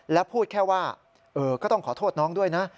และพูดแค่ว่าก็ต้องขอโทษน้องด้วยนะ